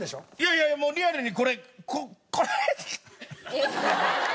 いやいやリアルにこれここれ。